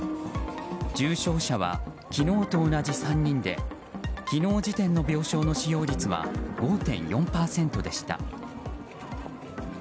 重症者は昨日と同じ３人で昨日時点の病床の使用率は５．４％でした。